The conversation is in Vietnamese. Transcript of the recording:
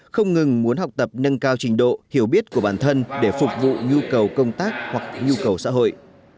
không ngừng muốn học tập nâng cao trình độ hiểu biết của bản thân để phục vụ nhu cầu công tác hoặc nhu cầu xã hội